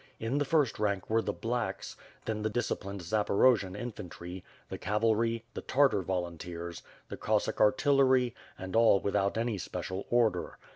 In the first rank were the "blacks," then the disciplined Zaporojian infantry, the cav alry, the Tartar volunteers, the Cossack artillery, and all without any special order.